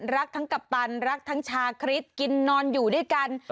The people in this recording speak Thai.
รักทั้งกัปตันรักทั้งชาคริสกินนอนอยู่ด้วยกัน